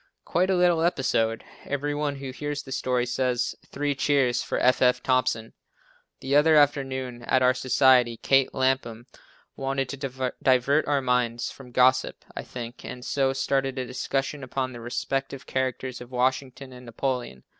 Quite a little episode. Every one who hears the story, says: "Three cheers for F. F. Thompson." The other afternoon at our society Kate Lapham wanted to divert our minds from gossip I think, and so started a discussion upon the respective characters of Washington and Napoleon.